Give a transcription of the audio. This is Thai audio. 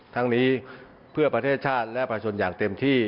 ทั้งนี้เพื่อประเทศชาติและประชาชนอย่างเต็มที่